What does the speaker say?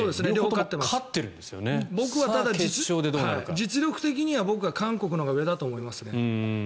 実力的には僕は韓国のほうが上だと思いますね。